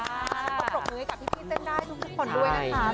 แล้วก็ปรบมือให้กับพี่เส้นได้ทุกคนด้วยนะคะ